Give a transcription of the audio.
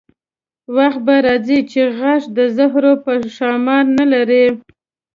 وخت به راځي چې غاښ د زهرو به ښامار نه لري.